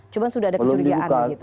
cuma sudah ada kecurigaan begitu